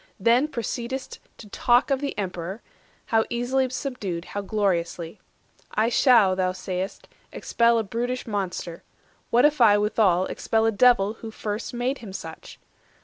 Then proceed'st to talk Of the Emperor, how easily subdued, How gloriously. I shall, thou say'st, expel A brutish monster: what if I withal Expel a Devil who first made him such?